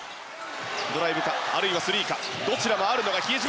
ドライブかあるいはスリーかどちらもあるのが比江島。